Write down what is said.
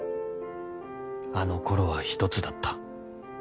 ［あのころは一つだった］